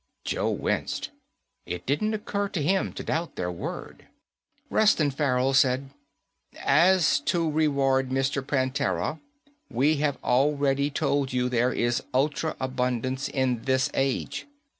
Joe winced. It didn't occur to him to doubt their word. Reston Farrell said, "As to reward, Mr. Prantera, we have already told you there is ultra abundance in this age.